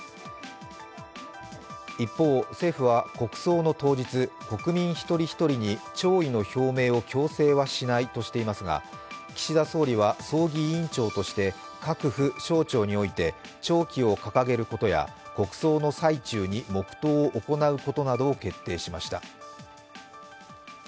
一方、政府は国葬の当日、国民ひとりひとりに弔意の表明を強制しないとしていますが岸田総理は葬儀委員長として、各府省庁において弔旗を掲げることや国葬の最中に黙とうを行うことなどを決定しました。